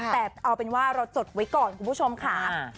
แต่เอาเป็นว่าเราจดไว้ก่อนคุณผู้ชมค่ะ